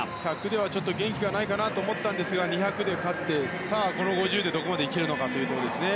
１００では元気がないかなと思ったんですが２００で勝ってさあ、この５０でどこまでいけるのかですね